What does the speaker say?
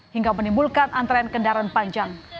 hingga menimbulkan antrean kendaraan panjang